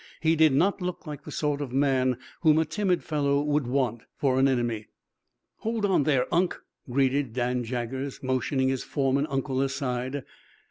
He did not look like the sort of man whom a timid fellow would want for an enemy. "Hold on there, Unc," greeted Dan Jaggers, motioning his foreman uncle aside.